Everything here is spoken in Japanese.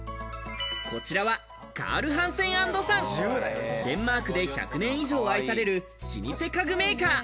こちらはカール・ハンセン＆サン、デンマークで１００年以上愛される老舗家具メーカー。